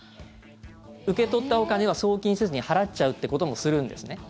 受け取ったお金は送金せずに払っちゃうってこともするんですね。